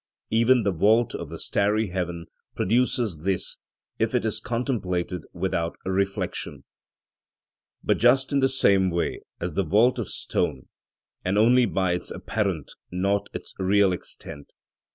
Even the vault of the starry heaven produces this if it is contemplated without reflection; but just in the same way as the vault of stone, and only by its apparent, not its real extent.